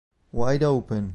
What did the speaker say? Wide Open